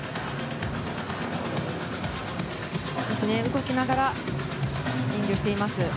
動きながら演技をしています。